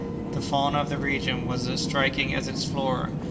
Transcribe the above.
The fauna of the region were as striking as its flora.